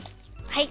はい！